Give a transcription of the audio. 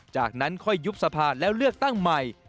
จากนั้นค่อยยุบสภาแล้วเลือกตั้งใหม่